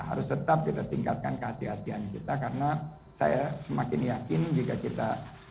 harus tetap kita tingkatkan kehatian kita karena saya semakin yakin jika kita